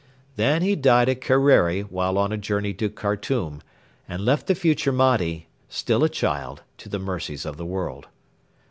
Then he died at Kerreri while on a journey to Khartoum, and left the future Mahdi, still a child, to the mercies of the world.